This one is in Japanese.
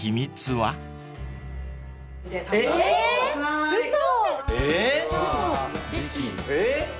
えっ嘘！